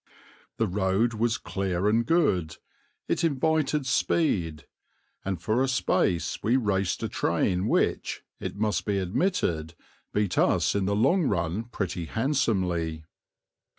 The road was clear and good, it invited speed, and for a space we raced a train which, it must be admitted, beat us in the long run pretty handsomely.